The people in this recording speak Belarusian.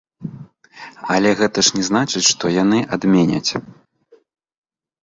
Але гэта ж не значыць, што яны адменяць.